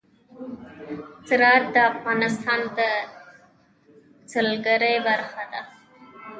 زراعت د افغانستان د سیلګرۍ برخه ده.